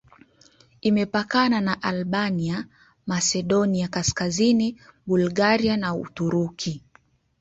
Imepakana na Albania, Masedonia Kaskazini, Bulgaria na Uturuki.